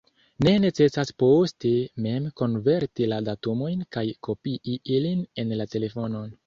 Ne necesas poste mem konverti la datumojn kaj kopii ilin en la telefonon.